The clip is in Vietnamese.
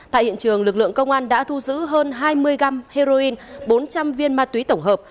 tại hiện trường lực lượng công an đã thu giữ hơn hai mươi g heroin bốn trăm linh viên ma túy tổng hợp